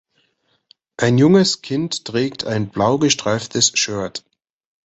Ein junges Kind trägt ein blau gestreiftes Shirt.